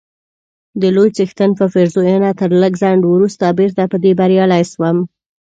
د لوی څښتن په پېرزوینه تر لږ ځنډ وروسته بیرته په دې بریالی سوم،